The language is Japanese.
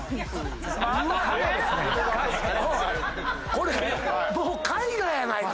これもう絵画やないか！